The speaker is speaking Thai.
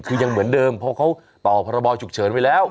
คือยังเหมือนเดิมเพราะเขาต่อพรบฉุกเฉินไว้แล้ว